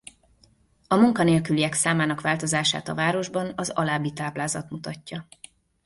A munkanélküliek számának változását a városban az alábbi táblázat mutatja.